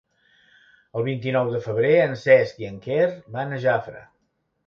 El vint-i-nou de febrer en Cesc i en Quer van a Jafre.